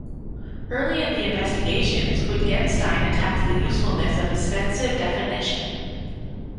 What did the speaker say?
Early in "The Investigations", Wittgenstein attacks the usefulness of ostensive definition.